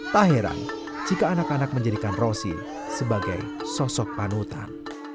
tak heran jika anak anak menjadikan rosi sebagai sosok panutan